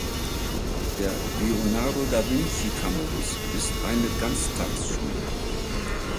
Der Leonardo-da-Vinci-Campus ist eine Ganztagsschule.